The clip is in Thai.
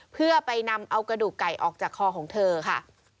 เพื่อไปนำเอากระดูกไก่ออกจากคอของเธอค่ะ